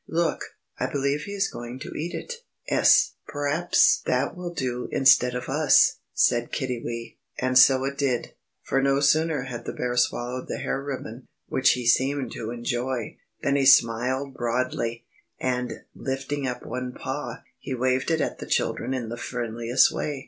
"Look, I believe he is going to eat it." "'Es. P'r'aps that will do instead of us!" said Kiddiwee. And so it did, for no sooner had the bear swallowed the hair ribbon which he seemed to enjoy than he smiled broadly, and, lifting up one paw, he waved it at the children in the friendliest way.